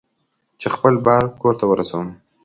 چې خپل بار کور ته ورسوم.